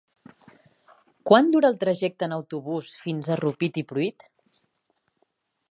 Quant dura el trajecte en autobús fins a Rupit i Pruit?